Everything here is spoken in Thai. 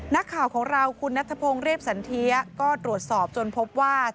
นักข่าวของเราคุณนัทพงศ์เรียบสันเทียก็ตรวจสอบจนพบว่า